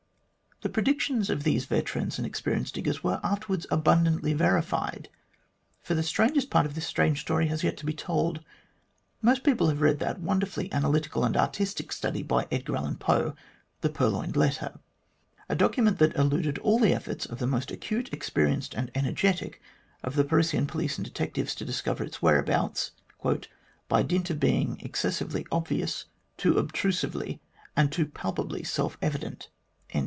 The predictions of these veteran and experienced diggers were afterwards abundantly verified, for the strangest part of this strange story has yet to be told. Most people have read that wonderfully analytical and artistic study by Edgar Allan Poe, "The Purloined Letter," a document that eluded all the efforts of the most acute, experienced, and energetic of the Parisian police and detectives to discover its whereabouts "by dint of being excessively obvious, too obtrusively and too palpably self evident."